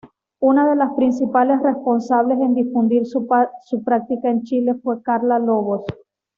Una de las principales responsables en difundir su práctica en Chile fue Carla Lobos.